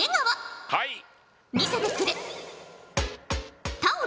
はい。